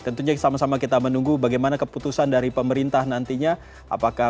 tentunya sama sama kita menunggu bagaimana keputusan dari pemerintah nantinya